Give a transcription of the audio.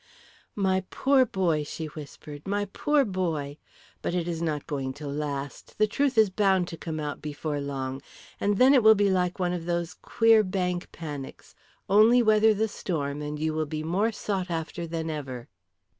"My poor boy," she whispered. "My poor boy! But it is not going to last. The truth is bound to come out before long. And then it will be like one of those queer bank panics only weather the storm, and you will be more sought after than ever."